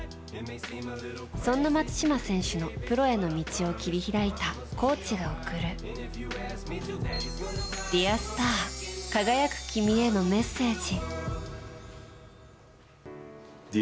そんな松島選手のプロへの道を切り開いたコーチが送る「Ｄｅａｒｓｔａｒ輝く君へのメッセージ」。